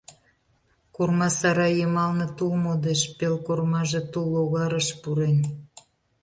Корма сарай йымалне тул модеш, пел кормаже тул логарыш пурен...